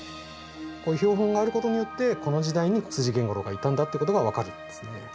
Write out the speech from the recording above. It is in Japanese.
こういう標本があることによってこの時代にスジゲンゴロウがいたんだってことが分かるんですね。